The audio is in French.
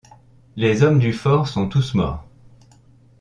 Les hommes du fort sont tous morts.